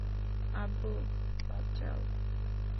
আব্বু, বাঁচাও!